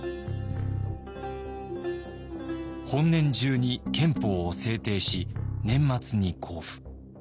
「本年中に憲法を制定し年末に公布。